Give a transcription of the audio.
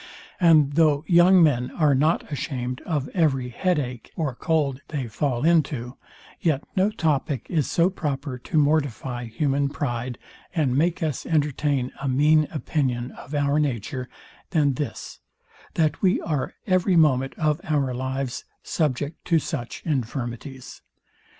And though young men are not ashamed of every head ach or cold they fall into, yet no topic is so proper to mortify human pride, and make us entertain a mean opinion of our nature, than this, that we are every moment of our lives subject to such infirmities.